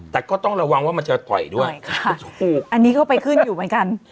แต่ก็ต้องระวังว่ามันจะต่อยด้วยอันนี้เข้าไปขึ้นอยู่เหมือนกัน